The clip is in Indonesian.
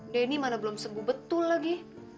denny mana belum sembuh betul lagi